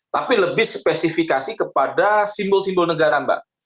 tapi lebih spesifikasi kepada simbol simbol negara mbak